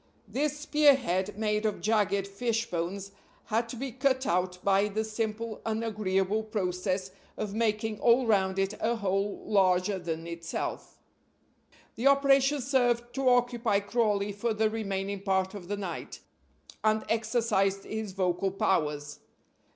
This spear head, made of jagged fishbones, had to be cut out by the simple and agreeable process of making all round it a hole larger than itself. The operation served to occupy Crawley for the remaining part of the night, and exercised his vocal powers.